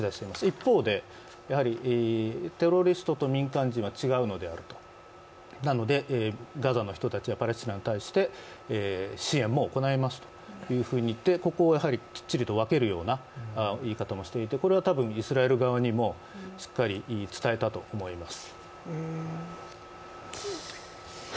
一方でテロリストと民間人は違うのであると、なのでガザの人たちやパレスチナに対して支援も行いますというふうに言ってここをやはりきっちりと分けるような言い方をしていてこれは多分イスラエル側にもしっかり伝えたと思います。